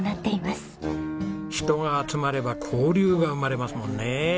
人が集まれば交流が生まれますもんね。